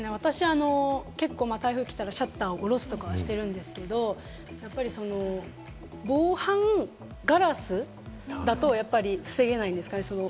私は台風が来たらシャッターをおろすとかしてるんですけれども、防犯ガラスだと防げないんですかね？